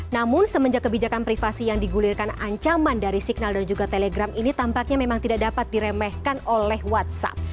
namun semenjak kebijakan privasi yang digulirkan ancaman dari signal dan juga telegram ini tampaknya memang tidak dapat diremehkan oleh whatsapp